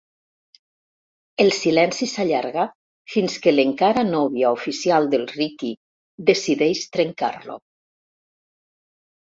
El silenci s'allarga fins que l'encara nòvia oficial del Riqui decideix trencar-lo.